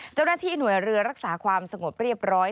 เจ้าหน้าที่หน่วยเรือรักษาความสงบเรียบร้อย